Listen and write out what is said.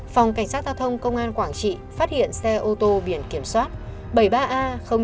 phòng cảnh sát giao thông công an quảng trị phát hiện xe ô tô biển kiểm soát bảy mươi ba a chín nghìn tám trăm chín mươi